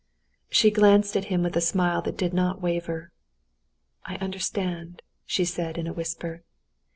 She glanced at him with a smile that did not waver. "I understand," she said in a whisper.